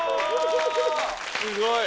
すごい。